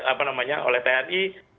apa namanya oleh tni